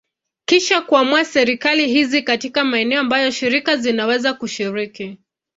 Kisha kuamua serikali hizi katika maeneo ambayo shirika zinaweza kushiriki.